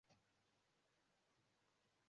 Amakipe abiri arahatana mukibuga